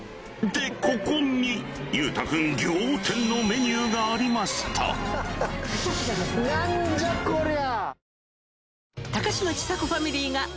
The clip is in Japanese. でここに裕太君仰天のメニューがありましたどうぞ。